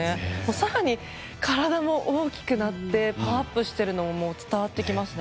更に体も大きくなってパワーアップしてるのも伝わってきますね。